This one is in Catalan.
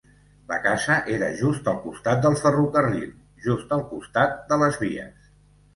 La casa era just al costat del ferrocarril, just al costat de les vies.